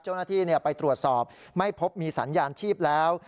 เจ้าหน้าที่ไปตรวจสอบไม่พบมีสัญญาณชีพแล้ว